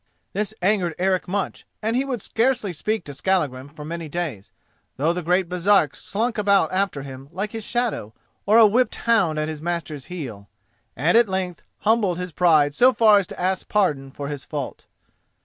This angered Eric much and he would scarcely speak to Skallagrim for many days, though the great Baresark slunk about after him like his shadow, or a whipped hound at its master's heel, and at length humbled his pride so far as to ask pardon for his fault.